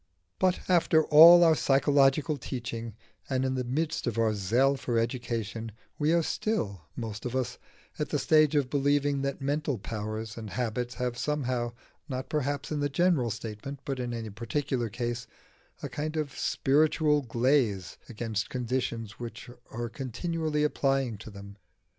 But after all our psychological teaching, and in the midst of our zeal for education, we are still, most of us, at the stage of believing that mental powers and habits have somehow, not perhaps in the general statement, but in any particular case, a kind of spiritual glaze against conditions which we are continually applying to them.